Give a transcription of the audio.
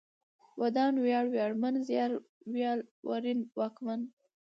ودان ، وياړ ، وياړمن ، زيار، ويال ، ورين ، واکمن